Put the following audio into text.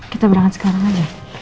kita berangkat sekarang aja